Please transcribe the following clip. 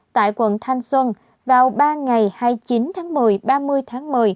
tại quận thanh xuân vào ba ngày hai mươi chín tháng một mươi ba mươi tháng một mươi